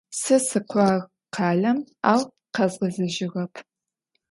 Se sık'uağ khalem, au khezğezejığep.